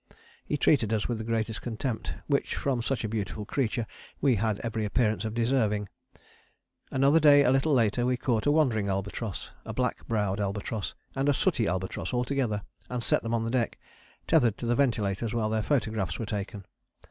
He treated us with the greatest contempt, which, from such a beautiful creature, we had every appearance of deserving. Another day a little later we caught a wandering albatross, a black browed albatross, and a sooty albatross all together, and set them on the deck tethered to the ventilators while their photographs were taken.